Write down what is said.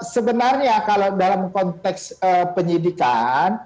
sebenarnya kalau dalam konteks penyidikan